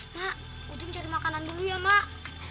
mak ucing cari makanan dulu ya mak